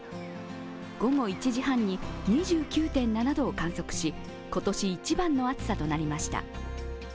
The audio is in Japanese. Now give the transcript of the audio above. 午後１時半に２９．７度を観測し、今年１番の暑さとなりました。